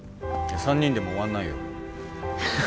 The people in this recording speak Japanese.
３人でも終わんないよ。